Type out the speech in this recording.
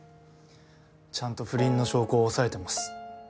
ちゃんと不倫の証拠を押さえてます。